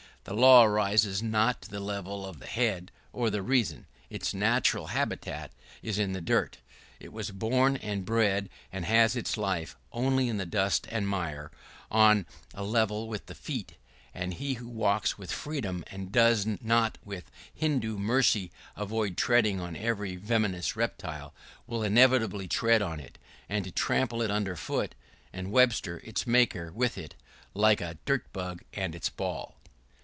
This law rises not to the level of the head or the reason; its natural habitat is in the dirt. It was born and bred, and has its life, only in the dust and mire, on a level with the feet; and he who walks with freedom, and does not with Hindoo mercy avoid treading on every venomous reptile, will inevitably tread on it, and so trample it under foot — and Webster, its maker, with it, like the dirt bug and its ball.